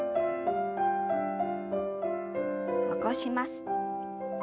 起こします。